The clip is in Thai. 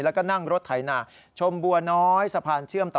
แล้วก็นั่งรถไถนาชมบัวน้อยสะพานเชื่อมต่อ